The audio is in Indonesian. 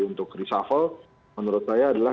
untuk reshuffle menurut saya adalah